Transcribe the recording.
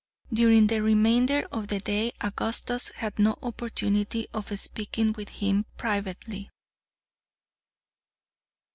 During the remainder of the day Augustus had no opportunity of speaking with him privately.